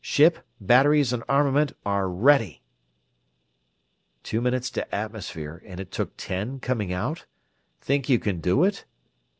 Ship, batteries, and armament are ready!" "Two minutes to atmosphere, and it took ten coming out? Think you can do it?"